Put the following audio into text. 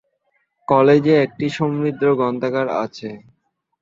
কলেজে একটি সমৃদ্ধ গ্রন্থাগার আছে।